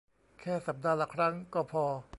แค่สัปดาห์ละครั้งก็พอ